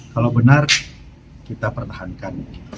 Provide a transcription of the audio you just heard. kalau benar kita pertahankan